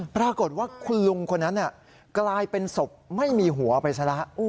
ปรากฏว่าคุณลุงคนนั้นกลายเป็นศพไม่มีหัวไปซะแล้ว